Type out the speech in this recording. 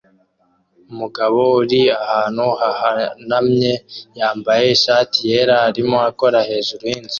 Umugabo uri ahantu hahanamye yambaye ishati yera arimo akora hejuru yinzu